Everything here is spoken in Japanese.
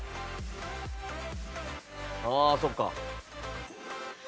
ああそっか。